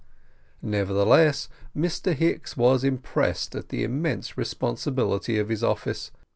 Nevertheless Mr Hicks was impressed with the immense responsibility of his office.